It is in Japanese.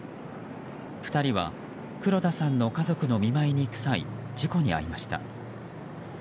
２人は、黒田さんの家族の見舞いに行く際事故に遭いました。